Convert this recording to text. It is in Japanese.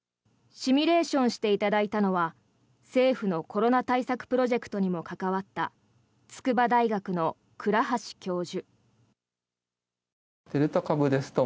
シミュレーションしていただいたのは政府のコロナ対策プロジェクトにも関わった筑波大学の倉橋教授。